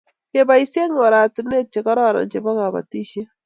Kiboisie oratinwek che kororon chebo kabatishiet